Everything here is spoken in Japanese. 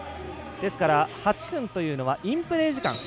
ですから、８分というのはインプレー時間。